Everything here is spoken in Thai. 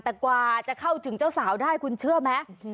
แต่กว่าจะเข้าถึงเจ้าสาวได้คุณเชื่อไหม